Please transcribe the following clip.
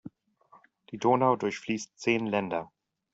Die Donau durchfließt zehn Länder.